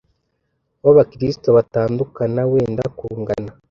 w'abakristo batandukana, wenda kungana